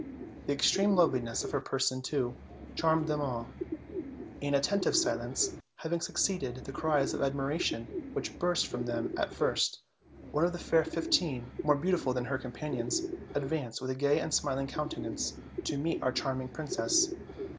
The extreme loveliness of her person, too, charmed them all. An attentive silence having suc ceeded the cries of admiration which burst from them at first, one of the fair fifteen, more beautiful than her com panions, advanced with a gay and smiling countenance to meet our charming princess.